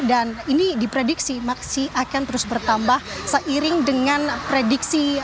dan ini diprediksi masih akan terus bertambah seiring dengan prediksi